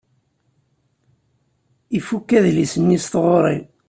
Ifuk adlis-nni s tɣuri.